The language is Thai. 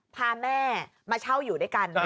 พาแม่มาเช่าอยู่ด้วยกัน